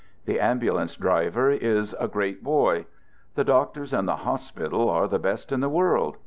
The ambulance driver is "a great boy." The doctors and the hospital are the best in the world.